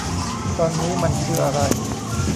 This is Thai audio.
ตอนนี้มันคืออะไร